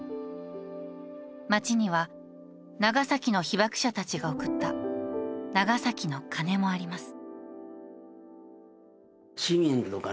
街には長崎の被爆者たちが贈った長崎の鐘もあります。